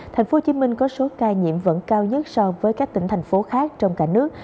tp hcm có số ca nhiễm vẫn cao nhất so với các tỉnh thành phố khác trong cả nước